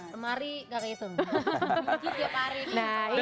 lemari gak kayak itu